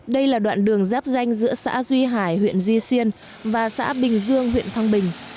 đây là đoạn đường giáp danh giữa xã duy hải huyện duy xuyên và xã bình dương huyện thăng bình